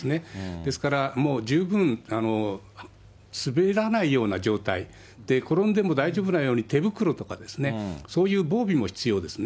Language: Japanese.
ですから、もう十分、滑らないような状態で、転んでも大丈夫なように、手袋とかそういう防備も必要ですね。